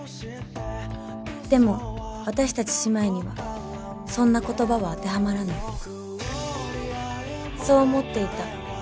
でも私たち姉妹にはそんな言葉はあてはまらないそう思っていた。